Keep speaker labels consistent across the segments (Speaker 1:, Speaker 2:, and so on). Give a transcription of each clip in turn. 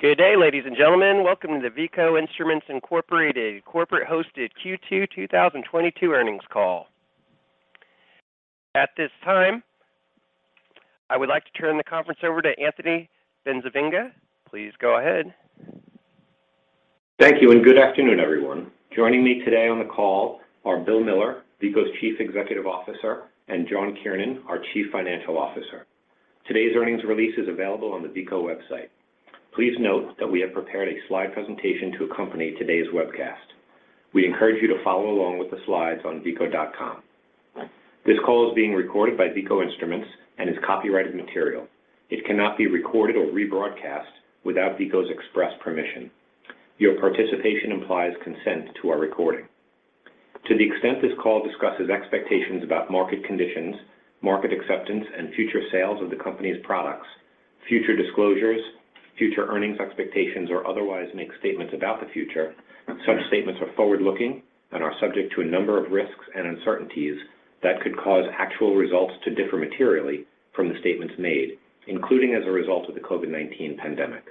Speaker 1: Good day, ladies and gentlemen. Welcome to the Veeco Instruments Inc. corporate-hosted Q2 2022 Earnings Call. At this time, I would like to turn the conference over to Anthony Bencivenga. Please go ahead.
Speaker 2: Thank you, and good afternoon, everyone. Joining me today on the call are Bill Miller, Veeco's Chief Executive Officer, and John Kiernan, our Chief Financial Officer. Today's earnings release is available on the Veeco website. Please note that we have prepared a slide presentation to accompany today's webcast. We encourage you to follow along with the slides on veeco.com. This call is being recorded by Veeco Instruments and is copyrighted material. It cannot be recorded or rebroadcast without Veeco's express permission. Your participation implies consent to our recording. To the extent this call discusses expectations about market conditions, market acceptance, and future sales of the company's products, future disclosures, future earnings expectations, or otherwise makes statements about the future, such statements are forward-looking and are subject to a number of risks and uncertainties that could cause actual results to differ materially from the statements made, including as a result of the COVID-19 pandemic.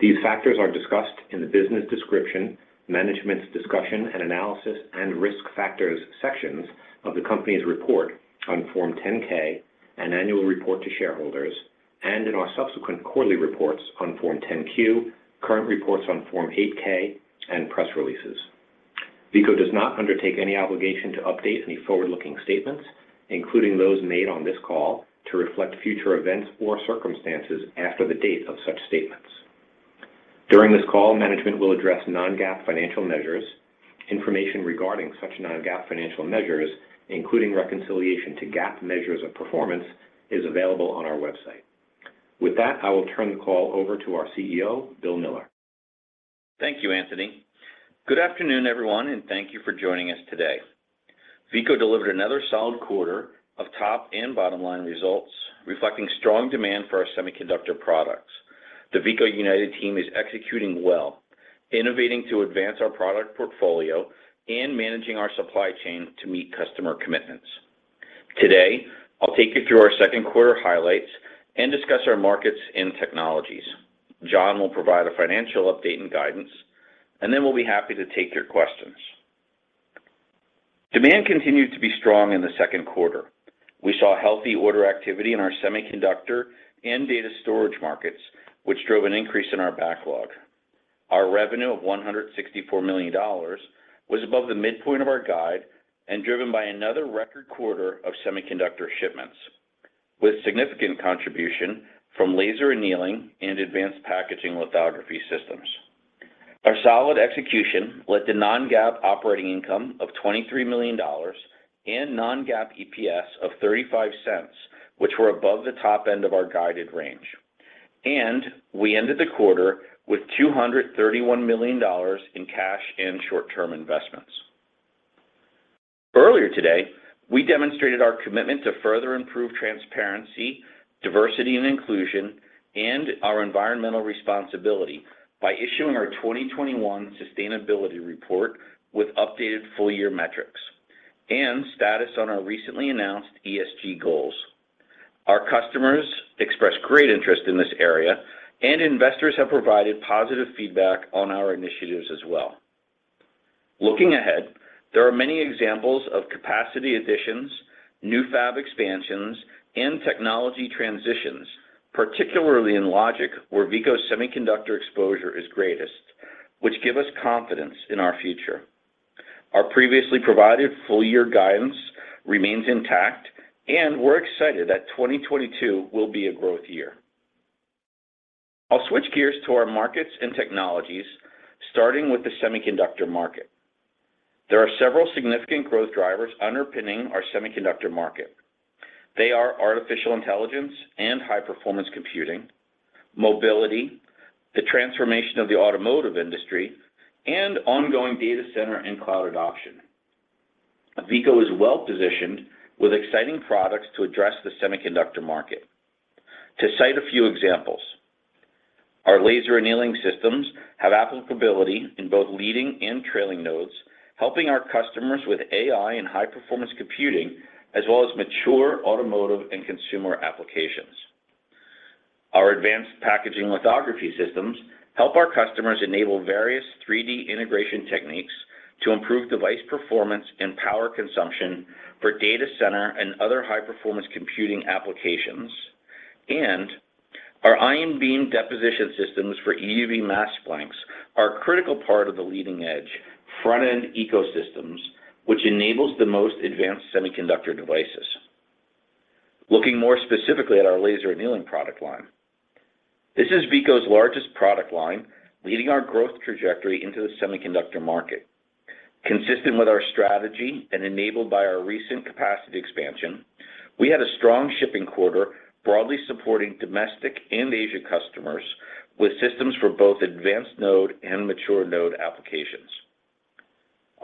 Speaker 2: These factors are discussed in the Business Description, Management's Discussion and Analysis, and Risk Factors sections of the company's report on Form 10-K and annual report to shareholders, and in our subsequent quarterly reports on Form 10-Q, current reports on Form 8-K, and press releases. Veeco does not undertake any obligation to update any forward-looking statements, including those made on this call, to reflect future events or circumstances after the date of such statements. During this call, management will address non-GAAP financial measures. Information regarding such non-GAAP financial measures, including reconciliation to GAAP measures of performance, is available on our website. With that, I will turn the call over to our CEO, Bill Miller.
Speaker 3: Thank you, Anthony. Good afternoon, everyone, and thank you for joining us today. Veeco delivered another solid quarter of top and bottom-line results, reflecting strong demand for our semiconductor products. The Veeco United team is executing well, innovating to advance our product portfolio, and managing our supply chain to meet customer commitments. Today, I'll take you through our Q2 highlights and discuss our markets and technologies. John will provide a financial update and guidance, and then we'll be happy to take your questions. Demand continued to be strong in the Q2. We saw healthy order activity in our semiconductor and data storage markets, which drove an increase in our backlog. Our revenue of $164 million was above the midpoint of our guide and driven by another record quarter of semiconductor shipments, with significant contribution from laser annealing and Advanced Packaging Lithography systems. Our solid execution led to non-GAAP operating income of $23 million and non-GAAP EPS of $0.35, which were above the top end of our guided range. We ended the quarter with $231 million in cash and short-term investments. Earlier today, we demonstrated our commitment to further improve transparency, diversity and inclusion, and our environmental responsibility by issuing our 2021 sustainability report with updated full-year metrics and status on our recently announced ESG goals. Our customers expressed great interest in this area, and investors have provided positive feedback on our initiatives as well. Looking ahead, there are many examples of capacity additions, new fab expansions, and technology transitions, particularly in logic, where Veeco's semiconductor exposure is greatest, which give us confidence in our future. Our previously provided full-year guidance remains intact, and we're excited that 2022 will be a growth year. I'll switch gears to our markets and technologies, starting with the semiconductor market. There are several significant growth drivers underpinning our semiconductor market. They are artificial intelligence and high-performance computing, mobility, the transformation of the automotive industry, and ongoing data center and cloud adoption. Veeco is well-positioned with exciting products to address the semiconductor market. To cite a few examples, our laser annealing systems have applicability in both leading and trailing nodes, helping our customers with AI and high-performance computing, as well as mature automotive and consumer applications. Our Advanced Packaging Lithography systems help our customers enable various 3D integration techniques to improve device performance and power consumption for data center and other high-performance computing applications. Our ion beam deposition systems for EUV mask blanks are a critical part of the leading-edge front-end ecosystems, which enables the most advanced semiconductor devices. Looking more specifically at our laser annealing product line, this is Veeco's largest product line, leading our growth trajectory into the semiconductor market. Consistent with our strategy and enabled by our recent capacity expansion, we had a strong shipping quarter broadly supporting domestic and Asian customers with systems for both advanced-node and mature-node applications.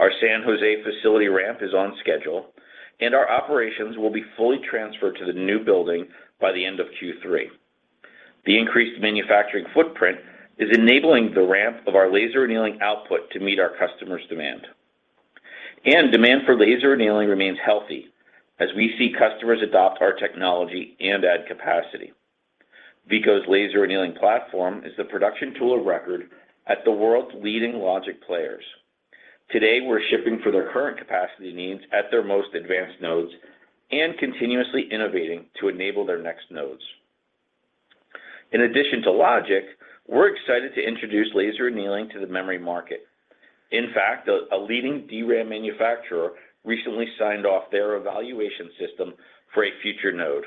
Speaker 3: Our San Jose facility ramp is on schedule, and our operations will be fully transferred to the new building by the end of Q3. The increased manufacturing footprint is enabling the ramp of our laser annealing output to meet our customers' demand. Demand for laser annealing remains healthy as we see customers adopt our technology and add capacity. Veeco's laser annealing platform is the production tool of record at the world's leading logic players. Today, we're shipping for their current capacity needs at their most advanced nodes and continuously innovating to enable their next nodes. In addition to logic, we're excited to introduce laser annealing to the memory market. In fact, a leading DRAM manufacturer recently signed off their evaluation system for a future node.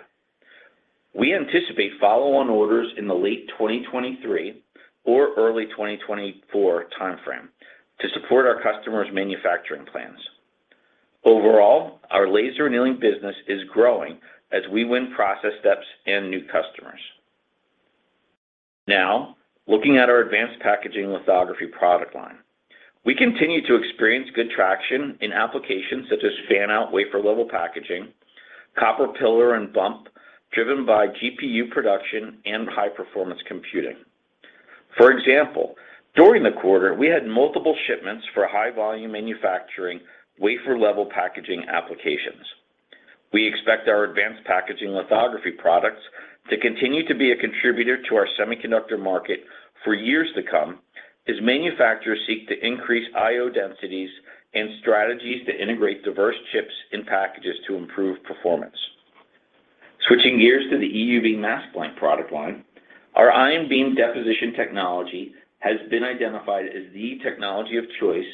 Speaker 3: We anticipate follow-on orders in the late 2023 or early 2024 timeframe to support our customers' manufacturing plans. Overall, our laser annealing business is growing as we win process steps and new customers. Now, looking at our Advanced Packaging Lithography product line. We continue to experience good traction in applications such as fan-out wafer level packaging, copper pillar and bump, driven by GPU production and high-performance computing. For example, during the quarter, we had multiple shipments for high-volume manufacturing wafer level packaging applications. We expect our Advanced Packaging Lithography products to continue to be a contributor to our semiconductor market for years to come as manufacturers seek to increase IO densities and strategies to integrate diverse chips in packages to improve performance. Switching gears to the EUV mask blank product line, our ion beam deposition technology has been identified as the technology of choice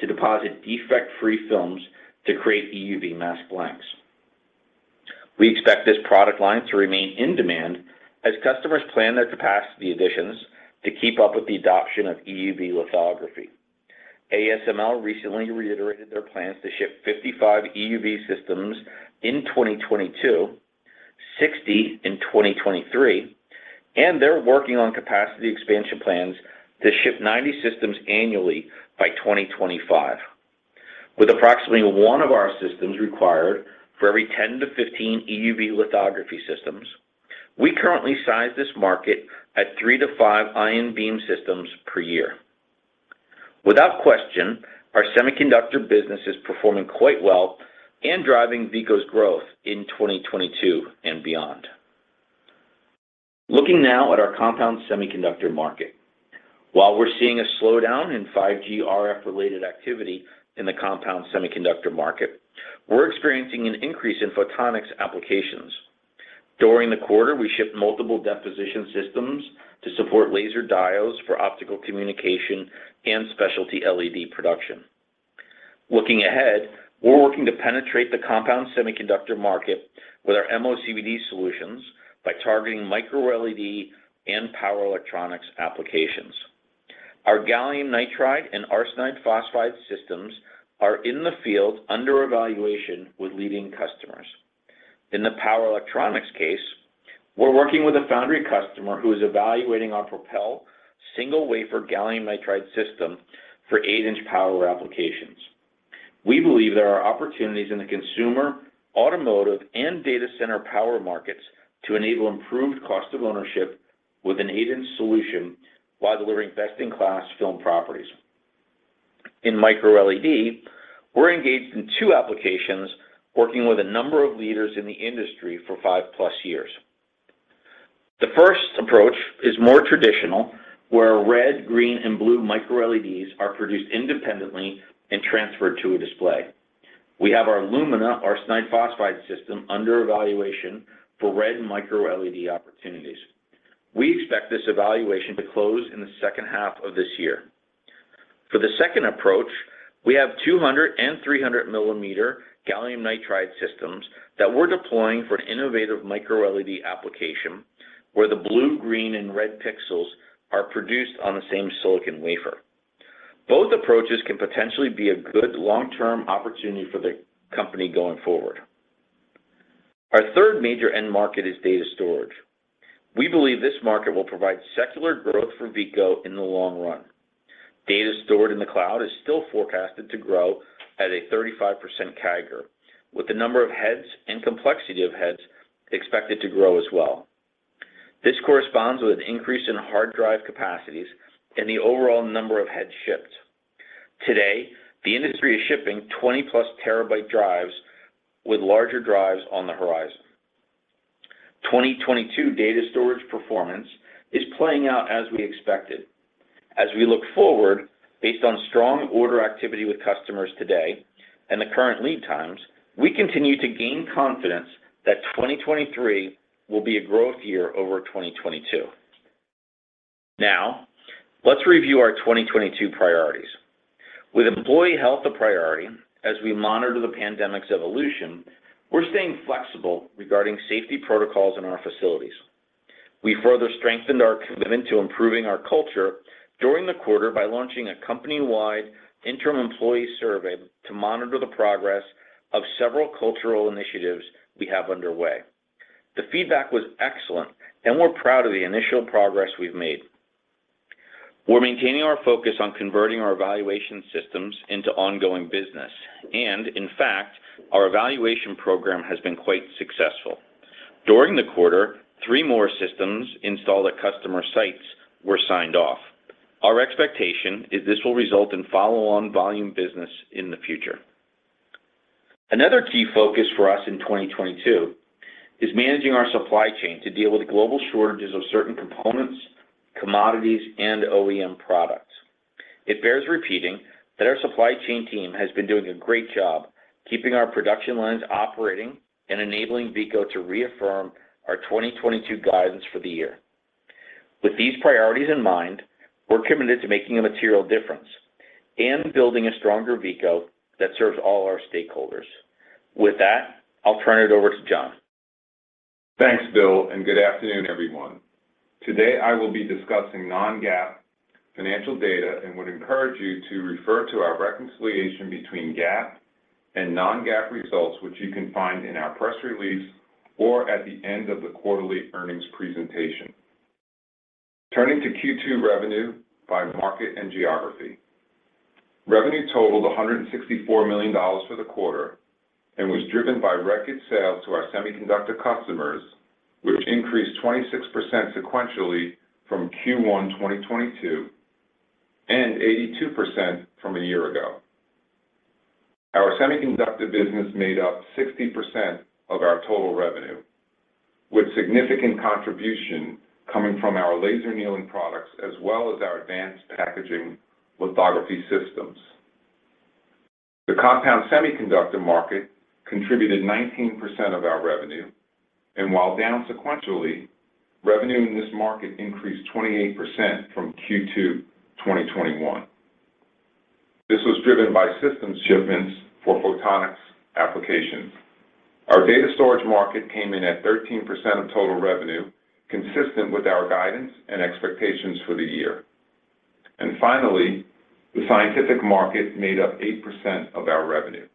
Speaker 3: to deposit defect-free films to create EUV mask blanks. We expect this product line to remain in demand as customers plan their capacity additions to keep up with the adoption of EUV lithography. ASML recently reiterated their plans to ship 55 EUV systems in 2022, 60 in 2023, and they're working on capacity expansion plans to ship 90 systems annually by 2025. With approximately one of our systems required for every 10-15 EUV lithography systems, we currently size this market at three-five ion beam systems per year. Without question, our semiconductor business is performing quite well and driving Veeco's growth in 2022 and beyond. Looking now at our compound semiconductor market. While we're seeing a slowdown in 5G RF-related activity in the compound semiconductor market, we're experiencing an increase in photonics applications. During the quarter, we shipped multiple deposition systems to support laser diodes for optical communication and specialty LED production. Looking ahead, we're working to penetrate the compound semiconductor market with our MOCVD solutions by targeting MicroLED and power electronics applications. Our gallium nitride and arsenide phosphide systems are in the field under evaluation with leading customers. In the power electronics case, we're working with a foundry customer who is evaluating our Propel single wafer gallium nitride system for eight-inch power applications. We believe there are opportunities in the consumer, automotive, and data center power markets to enable improved cost of ownership with an eight-inch solution while delivering best-in-class film properties. In MicroLED, we're engaged in two applications, working with a number of leaders in the industry for five+ years. The first approach is more traditional, where red, green, and blue MicroLEDs are produced independently and transferred to a display. We have our Lumina arsenide phosphide system under evaluation for red MicroLED opportunities. We expect this evaluation to close in the second half of this year. For the second approach, we have 200-millimeter and 300-millimeter gallium nitride systems that we're deploying for an innovative MicroLED application, where the blue, green, and red pixels are produced on the same silicon wafer. Both approaches can potentially be a good long-term opportunity for the company going forward. Our third major end market is data storage. We believe this market will provide secular growth for Veeco in the long run. Data stored in the cloud is still forecasted to grow at a 35% CAGR, with the number of heads and complexity of heads expected to grow as well. This corresponds with an increase in hard drive capacities and the overall number of heads shipped. Today, the industry is shipping 20+ terabyte drives with larger drives on the horizon. 2022 data storage performance is playing out as we expected. As we look forward, based on strong order activity with customers today and the current lead times, we continue to gain confidence that 2023 will be a growth year over 2022. Now, let's review our 2022 priorities. With employee health a priority, as we monitor the pandemic's evolution, we're staying flexible regarding safety protocols in our facilities. We further strengthened our commitment to improving our culture during the quarter by launching a company-wide interim employee survey to monitor the progress of several cultural initiatives we have underway. The feedback was excellent, and we're proud of the initial progress we've made. We're maintaining our focus on converting our evaluation systems into ongoing business. In fact, our evaluation program has been quite successful. During the quarter, three more systems installed at customer sites were signed off. Our expectation is this will result in follow-on volume business in the future. Another key focus for us in 2022 is managing our supply chain to deal with the global shortages of certain components, commodities, and OEM products. It bears repeating that our supply chain team has been doing a great job keeping our production lines operating and enabling Veeco to reaffirm our 2022 guidance for the year. With these priorities in mind, we're committed to making a material difference and building a stronger Veeco that serves all our stakeholders. With that, I'll turn it over to John.
Speaker 4: Thanks, Bill, and good afternoon, everyone. Today, I will be discussing non-GAAP financial data and would encourage you to refer to our reconciliation between GAAP and non-GAAP results, which you can find in our press release or at the end of the quarterly earnings presentation. Turning to Q2 revenue by market and geography. Revenue totaled $164 million for the quarter and was driven by record sales to our semiconductor customers, which increased 26% sequentially from Q1 2022 and 82% from a year ago. Our semiconductor business made up 60% of our total revenue, with significant contribution coming from our laser annealing products as well as our advanced packaging lithography systems. The compound semiconductor market contributed 19% of our revenue. While down sequentially, revenue in this market increased 28% from Q2 2021. This was driven by systems shipments for photonics applications. Our data storage market came in at 13% of total revenue, consistent with our guidance and expectations for the year. The scientific market made up 8% of our revenue.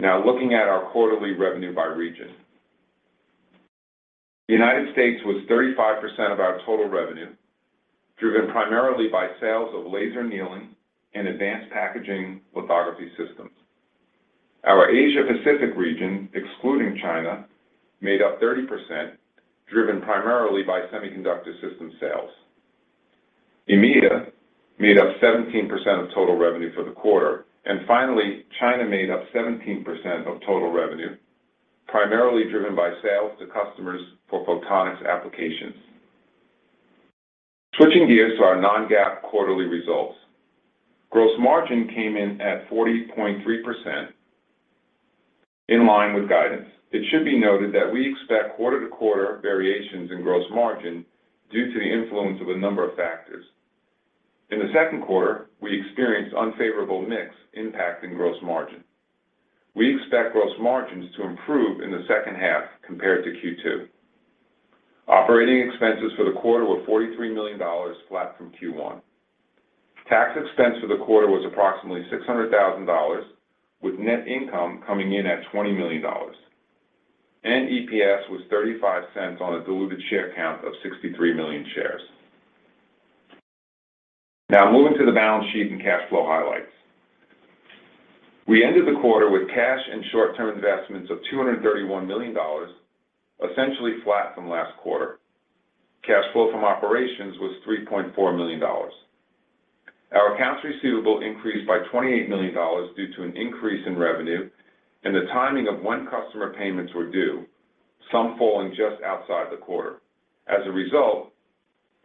Speaker 4: Now looking at our quarterly revenue by region. The United States was 35% of our total revenue, driven primarily by sales of laser annealing and Advanced Packaging Lithography systems. Our Asia Pacific region, excluding China, made up 30%, driven primarily by semiconductor system sales. EMEIA made up 17% of total revenue for the quarter. China made up 17% of total revenue, primarily driven by sales to customers for photonics applications. Switching gears to our non-GAAP quarterly results. Gross margin came in at 40.3% in line with guidance. It should be noted that we expect quarter-to-quarter variations in gross margin due to the influence of a number of factors. In the Q2, we experienced unfavorable mix impacting gross margin. We expect gross margins to improve in the second half compared to Q2. Operating expenses for the quarter were $43 million, flat from Q1. Tax expense for the quarter was approximately $600,000, with net income coming in at $20 million. EPS was $0.35 on a diluted share count of 63 million shares. Now moving to the balance sheet and cash flow highlights. We ended the quarter with cash and short-term investments of $231 million, essentially flat from last quarter. Cash flow from operations was $3.4 million. Our accounts receivable increased by $28 million due to an increase in revenue and the timing of when customer payments were due, some falling just outside the quarter. As a result,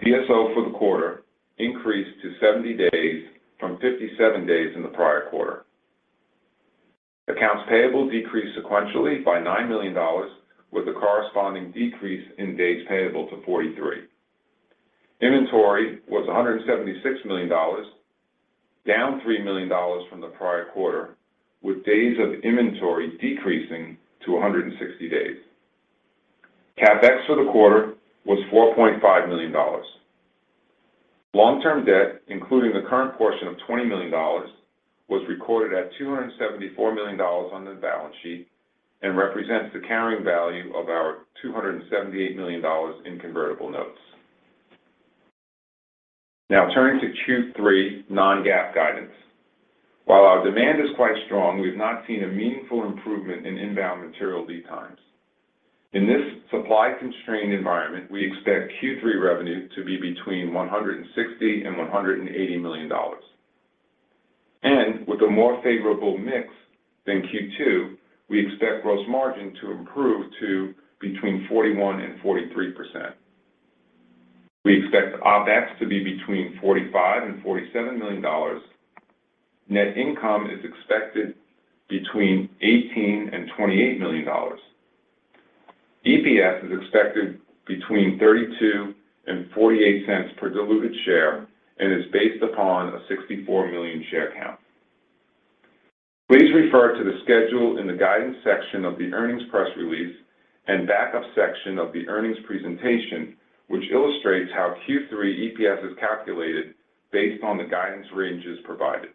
Speaker 4: DSO for the quarter increased to 70 days from 57 days in the prior quarter. Accounts payable decreased sequentially by $9 million, with a corresponding decrease in days payable to 43. Inventory was $176 million, down $3 million from the prior quarter, with days of inventory decreasing to 160 days. CapEx for the quarter was $4.5 million. Long-term debt, including the current portion of $20 million, was recorded at $274 million on the balance sheet and represents the carrying value of our $278 million in convertible notes. Now turning to Q3 non-GAAP guidance. While our demand is quite strong, we've not seen a meaningful improvement in inbound material lead times. In this supply-constrained environment, we expect Q3 revenue to be between $160 million and $180 million. With a more favorable mix than Q2, we expect gross margin to improve to between 41% and 43%. We expect OpEx to be between $45 million and $47 million. Net income is expected between $18 million and $28 million. EPS is expected between $0.32 and $0.48 per diluted share and is based upon a 64 million share count. Please refer to the schedule in the guidance section of the earnings press release and backup section of the earnings presentation, which illustrates how Q3 EPS is calculated based on the guidance ranges provided.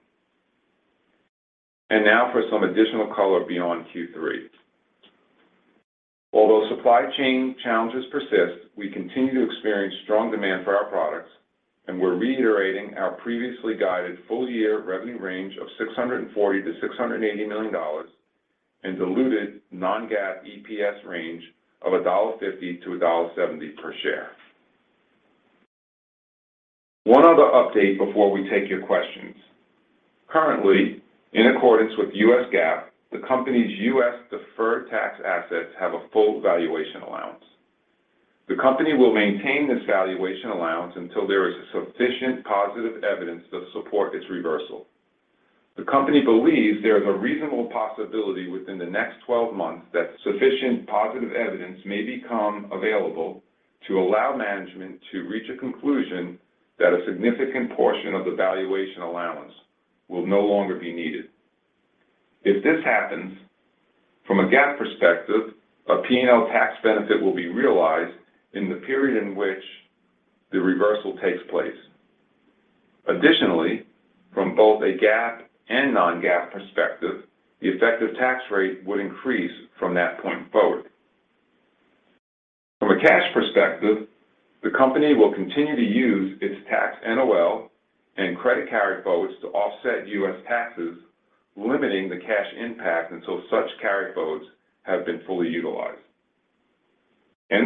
Speaker 4: Now for some additional color beyond Q3. Although supply chain challenges persist, we continue to experience strong demand for our products. We're reiterating our previously guided full year revenue range of $640 million-$680 million and diluted non-GAAP EPS range of $1.50-$1.70 per share. One other update before we take your questions. Currently, in accordance with U.S. GAAP, the company's U.S. deferred tax assets have a full valuation allowance. The company will maintain this valuation allowance until there is sufficient positive evidence to support its reversal. The company believes there is a reasonable possibility within the next 12 months that sufficient positive evidence may become available to allow management to reach a conclusion that a significant portion of the valuation allowance will no longer be needed. If this happens, from a GAAP perspective, a P&L tax benefit will be realized in the period in which the reversal takes place. Additionally, from both a GAAP and non-GAAP perspective, the effective tax rate would increase from that point forward. From a cash perspective, the company will continue to use its tax NOL and credit carryforwards to offset U.S. taxes, limiting the cash impact until such carryforwards have been fully utilized.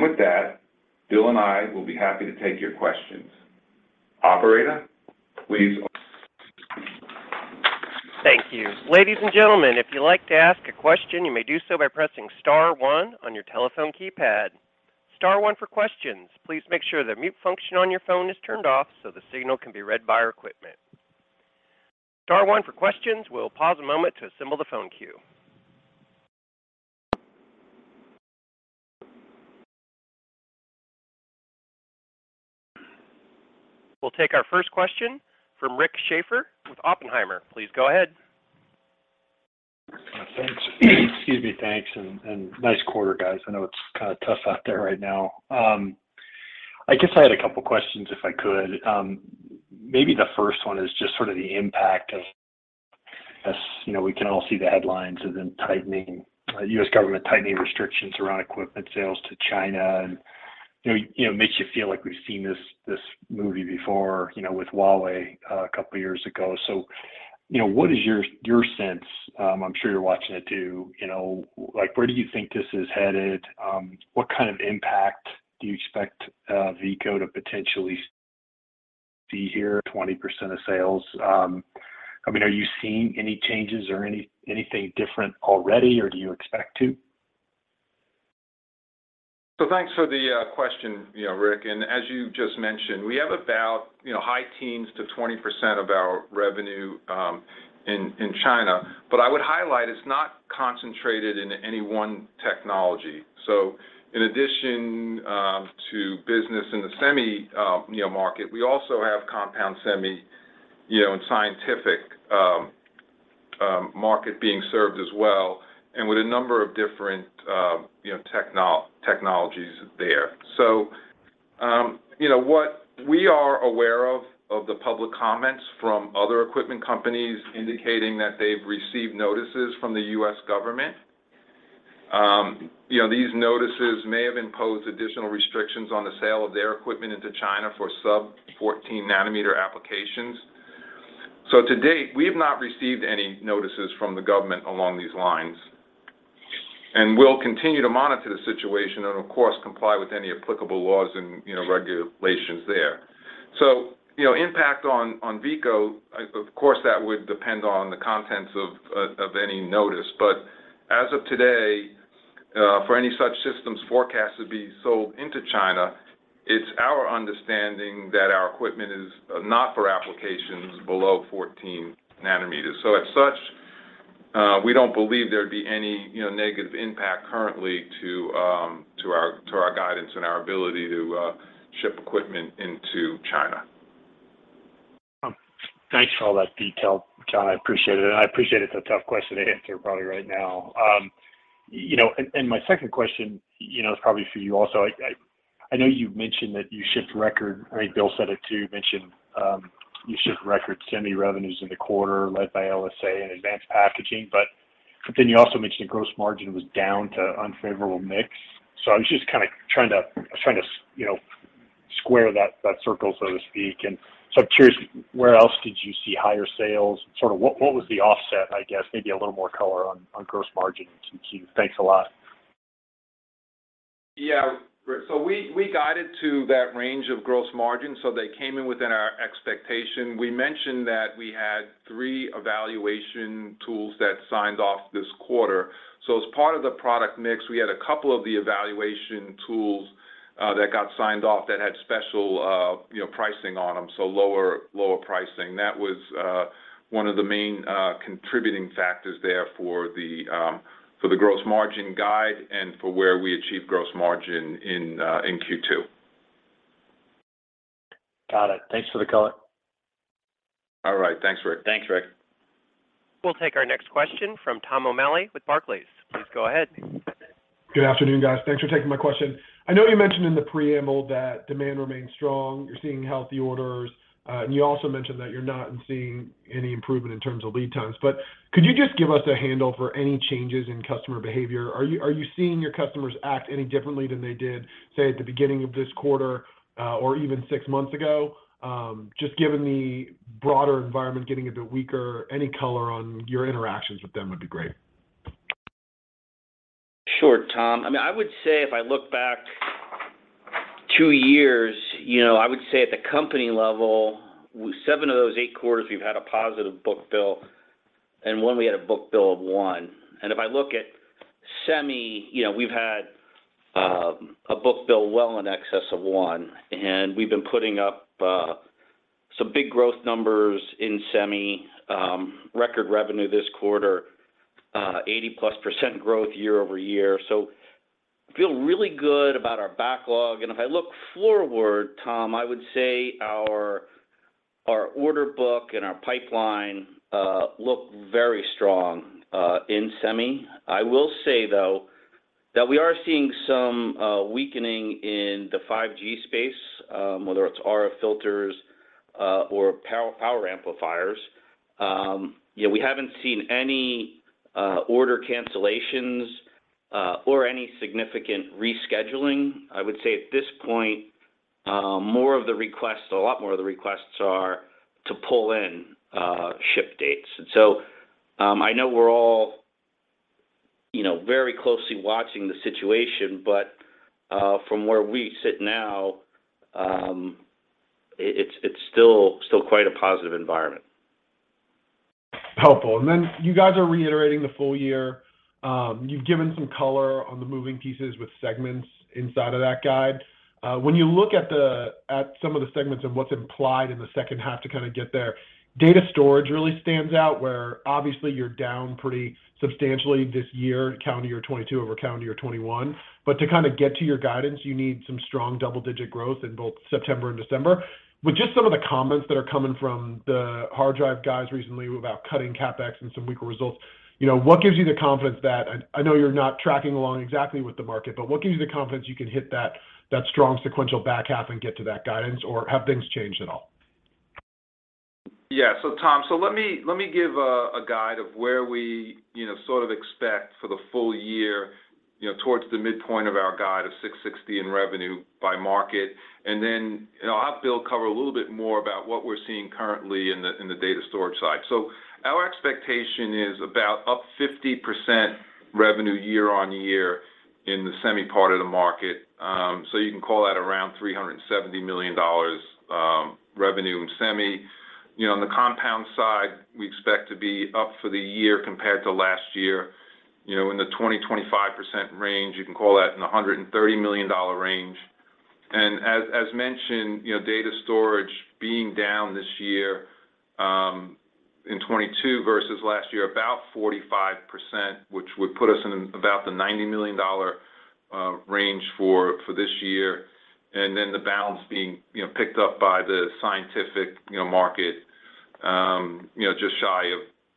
Speaker 4: With that, Bill and I will be happy to take your questions. Operator, please.
Speaker 1: Thank you. Ladies and gentlemen, if you'd like to ask a question, you may do so by pressing star one on your telephone keypad. Star one for questions. Please make sure the mute function on your phone is turned off so the signal can be read by our equipment. Star one for questions. We'll pause a moment to assemble the phone queue. We'll take our first question from Rick Schafer with Oppenheimer. Please go ahead.
Speaker 5: Thanks. Excuse me. Thanks. Nice quarter, guys. I know it's kind of tough out there right now. I guess I had a couple questions, if I could. Maybe the first one is just sort of the impact of, as you know, we can all see the headlines of them tightening, U.S. government tightening restrictions around equipment sales to China. You know, it makes you feel like we've seen this movie before, you know, with Huawei a couple years ago. What is your sense? I'm sure you're watching it too, you know. Like, where do you think this is headed? What kind of impact do you expect Veeco to potentially see here, 20% of sales? I mean, are you seeing any changes or anything different already, or do you expect to?
Speaker 4: Thanks for the question, you know, Rick. As you just mentioned, we have about, you know, high teens to 20% of our revenue in China. I would highlight, it's not concentrated into any one technology. In addition to business in the semi market, we also have compound semi and scientific market being served as well, and with a number of different technologies there. What we are aware of the public comments from other equipment companies indicating that they've received notices from the U.S. government, you know, these notices may have imposed additional restrictions on the sale of their equipment into China for sub-14 nanometer applications. To date, we have not received any notices from the government along these lines, and we'll continue to monitor the situation and, of course, comply with any applicable laws and, you know, regulations there. You know, impact on Veeco, of course, that would depend on the contents of any notice. But as of today, for any such systems forecast to be sold into China, it's our understanding that our equipment is not for applications below 14 nanometers. As such, we don't believe there'd be any, you know, negative impact currently to our guidance and our ability to ship equipment into China.
Speaker 5: Thanks for all that detail, John. I appreciate it. I appreciate it's a tough question to answer probably right now. You know, and my second question, you know, is probably for you also. I know you've mentioned, I think Bill said it too, you mentioned you shipped record semi revenues in the quarter led by LSA and advanced packaging, but then you also mentioned gross margin was down due to unfavorable mix. I was just kind of trying to you know, square that circle, so to speak. I'm curious, where else did you see higher sales? Sort of what was the offset, I guess? Maybe a little more color on gross margin in Q2. Thanks a lot.
Speaker 4: Yeah. We guided to that range of gross margin, so they came in within our expectation. We mentioned that we had three evaluation tools that signed off this quarter. As part of the product mix, we had a couple of the evaluation tools that got signed off that had special, you know, pricing on them, so lower pricing. That was one of the main contributing factors there for the gross margin guide and for where we achieved gross margin in Q2.
Speaker 5: Got it. Thanks for the color.
Speaker 4: All right. Thanks, Rick.
Speaker 1: Thanks, Rick. We'll take our next question from Tom O'Malley with Barclays. Please go ahead.
Speaker 6: Good afternoon, guys. Thanks for taking my question. I know you mentioned in the preamble that demand remains strong. You're seeing healthy orders. And you also mentioned that you're not seeing any improvement in terms of lead times. Could you just give us a handle for any changes in customer behavior? Are you seeing your customers act any differently than they did, say, at the beginning of this quarter, or even six months ago? Just given the broader environment getting a bit weaker, any color on your interactions with them would be great.
Speaker 3: Sure, Tom. I mean, I would say if I look back two years, you know, I would say at the company level, seven of those eight quarters, we've had a positive book bill, and one we had a book bill of one. If I look at semi, you know, we've had a book bill well in excess of one, and we've been putting up some big growth numbers in semi, record revenue this quarter, 80%+ growth year-over-year. I feel really good about our backlog. If I look forward, Tom, I would say our order book and our pipeline look very strong in semi. I will say, though, that we are seeing some weakening in the 5G space, whether it's RF filters or power amplifiers. You know, we haven't seen any order cancellations or any significant rescheduling. I would say at this point, more of the requests, a lot more of the requests are to pull in ship dates. I know we're all, you know, very closely watching the situation, but from where we sit now, it's still quite a positive environment.
Speaker 6: Helpful. Then you guys are reiterating the full year. You've given some color on the moving pieces with segments inside of that guide. When you look at at some of the segments of what's implied in the second half to kind of get there, data storage really stands out, where obviously you're down pretty substantially this year, calendar year 2022 over calendar year 2021. To kind of get to your guidance, you need some strong double-digit growth in both September and December. With just some of the comments that are coming from the hard drive guys recently about cutting CapEx and some weaker results, you know, what gives you the confidence that? I know you're not tracking along exactly with the market, but what gives you the confidence you can hit that strong sequential back half and get to that guidance, or have things changed at all?
Speaker 4: Tom, let me give a guide of where we expect for the full year, you know, towards the midpoint of our guide of $660 million in revenue by market. You know, I'll have Bill cover a little bit more about what we're seeing currently in the data storage side. Our expectation is about up 50% revenue year-on-year in the semi part of the market. You can call that around $370 million revenue in semi. You know, on the compound side, we expect to be up for the year compared to last year, you know, in the 20%-25% range. You can call that in the $130 million range. As mentioned, you know, data storage being down this year in 2022 versus last year, about 45%, which would put us in about the $90 million range for this year. The balance being, you know, picked up by the scientific, you know, market, you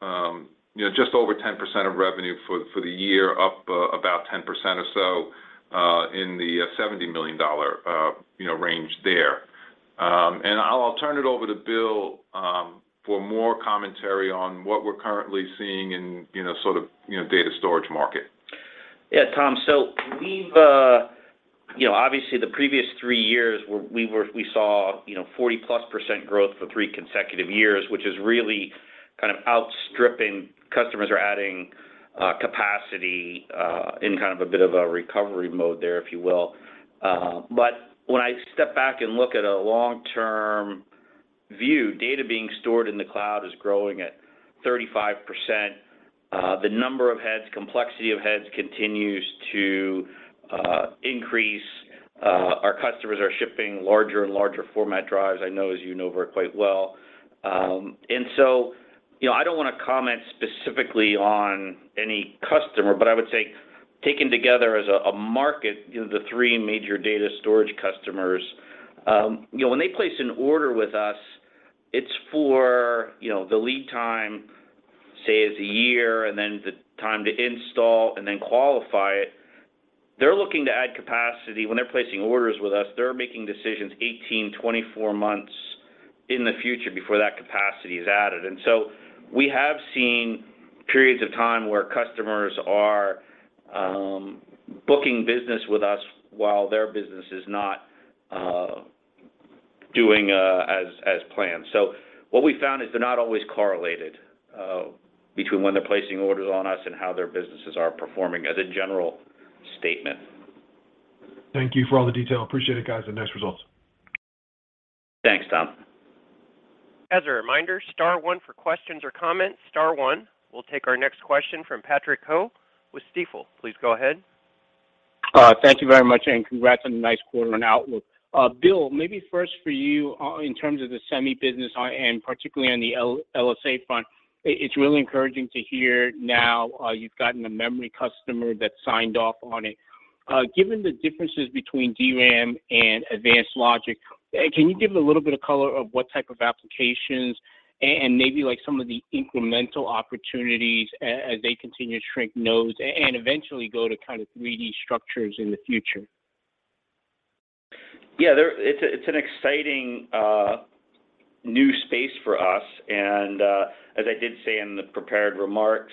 Speaker 4: know, just over 10% of revenue for the year, up about 10% or so in the $70 million range there. I'll turn it over to Bill for more commentary on what we're currently seeing in, you know, sort of, you know, data storage market.
Speaker 3: Yeah, Tom. We've, you know, obviously the previous three years we saw, you know, 40%+ growth for three consecutive years, which is really kind of outstripping, customers are adding capacity, in kind of a bit of a recovery mode there, if you will. When I step back and look at a long-term view, data being stored in the cloud is growing at 35%. The number of heads, complexity of heads continues to increase. Our customers are shipping larger and larger format drives, I know as you know very well. You know, I don't want to comment specifically on any customer, but I would say taken together as a market, you know, the three major data storage customers, you know, when they place an order with us, it's for, you know, the lead time, say, is a year, and then the time to install and then qualify it. They're looking to add capacity. When they're placing orders with us, they're making decisions 18-24 months in the future before that capacity is added. We have seen periods of time where customers are booking business with us while their business is not doing as planned. What we found is they're not always correlated between when they're placing orders with us and how their businesses are performing as a general statement.
Speaker 6: Thank you for all the detail. Appreciate it, guys, and nice results.
Speaker 3: Thanks, Tom.
Speaker 1: As a reminder, star one for questions or comments, star one. We'll take our next question from Patrick Ho with Stifel. Please go ahead.
Speaker 7: Thank you very much, and congrats on a nice quarter and outlook. Bill, maybe first for you, in terms of the semi business and particularly on the LSA front, it's really encouraging to hear now you've gotten a memory customer that signed off on it. Given the differences between DRAM and advanced logic, can you give a little bit of color of what type of applications and maybe, like, some of the incremental opportunities as they continue to shrink nodes and eventually go to kind of 3D structures in the future?
Speaker 3: Yeah. It's an exciting new space for us, and as I did say in the prepared remarks,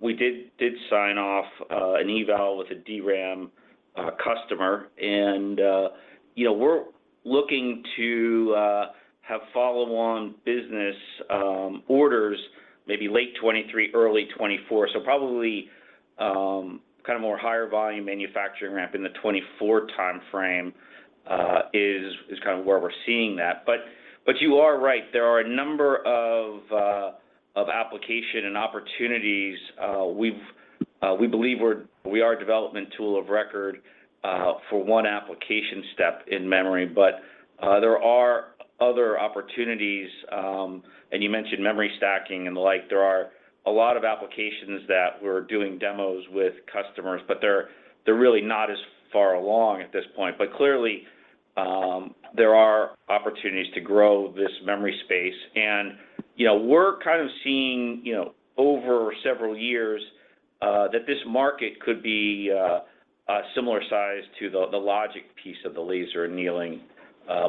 Speaker 3: we did sign off an eval with a DRAM customer. You know, we're looking to have follow-on business orders maybe late 2023, early 2024. Probably kind of more higher volume manufacturing ramp in the 2024 timeframe is kind of where we're seeing that. You are right, there are a number of applications and opportunities. We believe we are a development tool of record for one application step in memory, but there are other opportunities, and you mentioned memory stacking and the like. There are a lot of applications that we're doing demos with customers, but they're really not as far along at this point. Clearly, there are opportunities to grow this memory space, and, you know, we're kind of seeing, you know, over several years, that this market could be a similar size to the logic piece of the laser annealing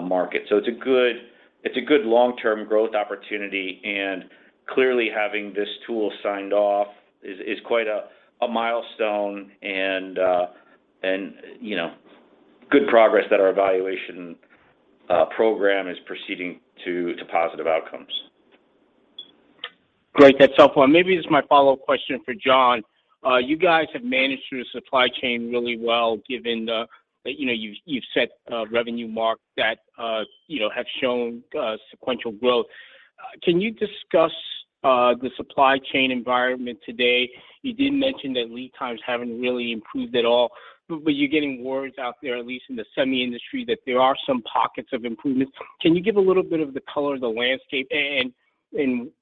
Speaker 3: market. It's a good long-term growth opportunity, and clearly having this tool signed off is quite a milestone and, you know, good progress that our evaluation program is proceeding to positive outcomes.
Speaker 7: Great. That's helpful. Maybe this is my follow-up question for John. You guys have managed through the supply chain really well given the, you know, you've set a revenue mark that, you know, have shown sequential growth. Can you discuss the supply chain environment today? You did mention that lead times haven't really improved at all, but you're getting word out there, at least in the semi industry, that there are some pockets of improvements. Can you give a little bit of the color of the landscape and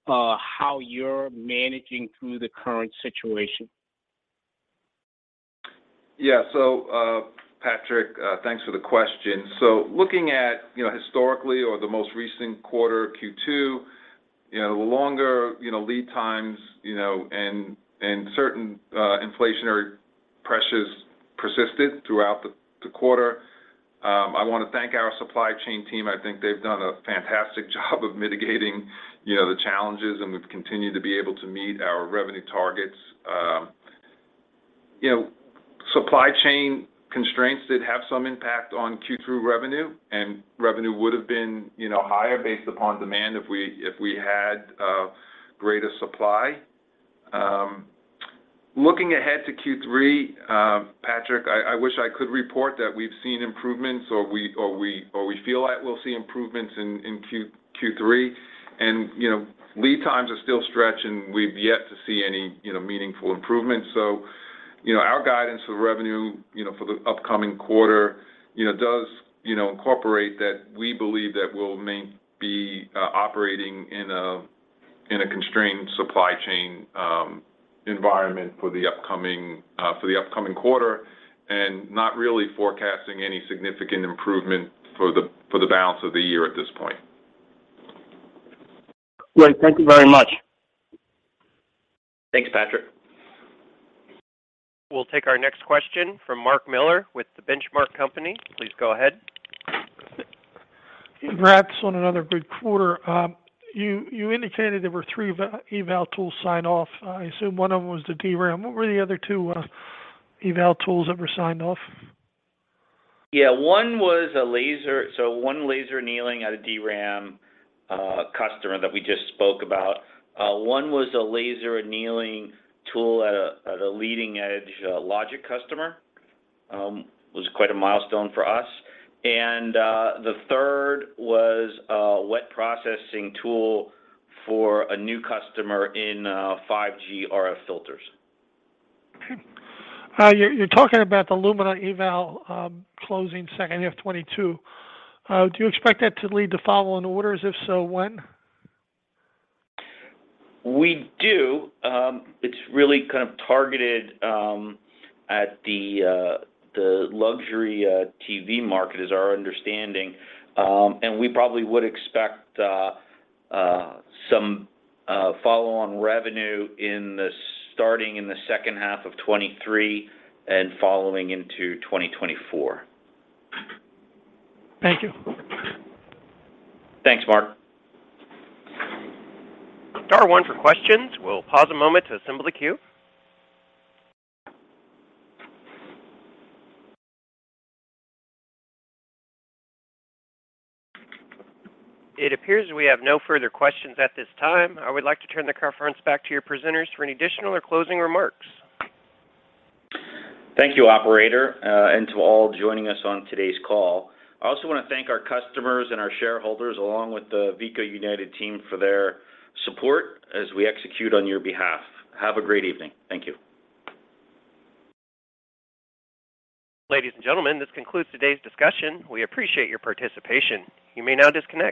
Speaker 7: how you're managing through the current situation?
Speaker 4: Yeah. Patrick, thanks for the question. Looking at, you know, historically or the most recent quarter, Q2, you know, the longer, you know, lead times, you know, and certain inflationary pressures persisted throughout the quarter. I wanna thank our supply chain team. I think they've done a fantastic job of mitigating, you know, the challenges, and we've continued to be able to meet our revenue targets. You know, supply chain constraints did have some impact on Q2 revenue, and revenue would have been, you know, higher based upon demand if we had greater supply. Looking ahead to Q3, Patrick, I wish I could report that we've seen improvements or we feel like we'll see improvements in Q3, and, you know, lead times are still stretching. We've yet to see any, you know, meaningful improvements. Our guidance for revenue, you know, for the upcoming quarter, you know, does, you know, incorporate that we believe that we'll be operating in a constrained supply chain environment for the upcoming quarter and not really forecasting any significant improvement for the balance of the year at this point.
Speaker 7: Great. Thank you very much.
Speaker 3: Thanks, Patrick.
Speaker 1: We'll take our next question from Mark Miller with The Benchmark Company. Please go ahead.
Speaker 8: Congrats on another good quarter. You indicated there were three eval tools signed off. I assume one of them was the DRAM. What were the other two eval tools that were signed off?
Speaker 3: One was a laser, so one laser annealing at a DRAM customer that we just spoke about. One was a laser annealing tool at a leading-edge logic customer, was quite a milestone for us. The third was a wet processing tool for a new customer in 5G RF filters.
Speaker 8: Okay. You're talking about the Lumina Eval closing second half 2022. Do you expect that to lead to follow-on orders? If so, when?
Speaker 3: We do. It's really kind of targeted at the luxury TV market is our understanding. We probably would expect some follow-on revenue starting in the second half of 2023 and following into 2024.
Speaker 8: Thank you.
Speaker 3: Thanks, Mark.
Speaker 1: Star one for questions. We'll pause a moment to assemble the queue. It appears we have no further questions at this time. I would like to turn the conference back to your presenters for any additional or closing remarks.
Speaker 3: Thank you, operator, and to all joining us on today's call. I also wanna thank our customers and our shareholders, along with the Veeco United team for their support as we execute on your behalf. Have a great evening. Thank you.
Speaker 1: Ladies and gentlemen, this concludes today's discussion. We appreciate your participation. You may now disconnect.